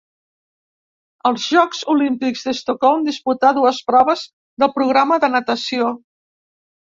Als Jocs Olímpics d'Estocolm disputà dues proves del programa de natació.